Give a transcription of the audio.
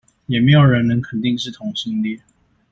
也沒有人能肯定是同性戀